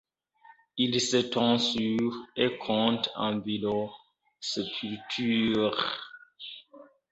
Il s'étend sur et compte environ sépultures.